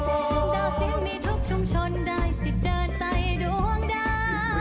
เดาสิ้นมีทุกชุมชนได้สิทธิ์เดินใจดวงด้าน